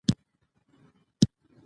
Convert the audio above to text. شرکت خوندي شوی دی.